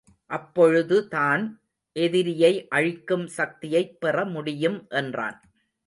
அப்பொழுது தான் எதிரியை அழிக்கும் சக்தியைப் பெறமுடியும் என்றான்.